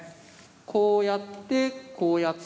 こうやってこうやって。